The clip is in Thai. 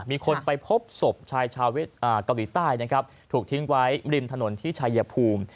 มีคนไปพบศพชายกาลวยต้ายถูกทิ้งไว้ริมถนนที่ชายหยะภูมิ